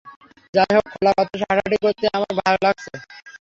যাইহোক, খোলা বাতাসে হাঁটাহাঁটি করতে আমার ভালোই লাগছে।